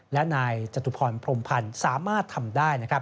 และนายจตุพรพรมพันธ์สามารถทำได้นะครับ